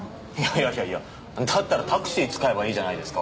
いやいやいやだったらタクシー使えばいいじゃないですか。